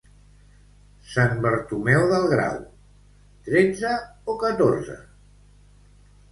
Sant Bartomeu del Grau, tretze o catorze?